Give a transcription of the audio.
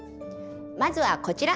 まずはこちら。